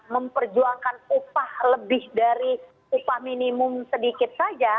memperjuangkan upah lebih dari upah minimum sedikit saja